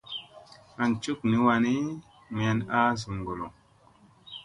An cukni wanni mayan a zum ŋgollo.